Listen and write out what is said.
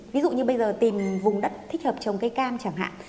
ví dụ như bây giờ tìm vùng đất thích hợp trồng cây cam chẳng hạn